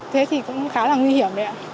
thế thì cũng khá là nguy hiểm đấy ạ